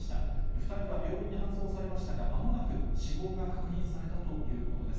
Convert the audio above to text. ２人は病院に搬送されましたが、まもなく死亡が確認されたということです。